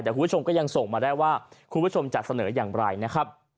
แต่คุณผู้ชมก็ยังส่งมาได้ว่าคุณผู้ชมจะเสนออย่างไรนะครับ